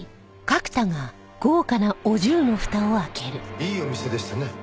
いいお店でしたね。